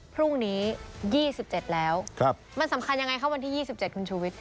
พรุ่งนี้๒๗แล้วมันสำคัญยังไงคะวันที่๒๗คุณชูวิทย